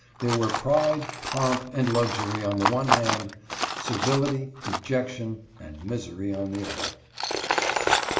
There were pride, pomp, and luxury on the one hand, servility, dejection, and misery on the other.